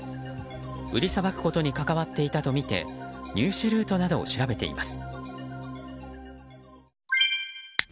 売りさばくことに関わっていたとみて入手ルートなどを調べています。